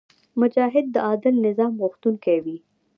مجاهد د عادل نظام غوښتونکی وي.